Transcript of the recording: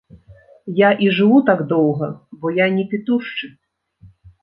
Я і жыву так доўга, бо я не пітушчы.